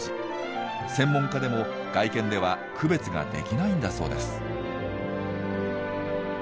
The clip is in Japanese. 専門家でも外見では区別ができないんだそうです。